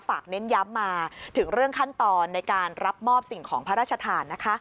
เน้นย้ำมาถึงเรื่องขั้นตอนในการรับมอบสิ่งของพระราชทานนะคะ